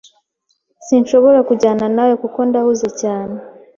Sinshobora kujyana nawe kuko ndahuze cyane.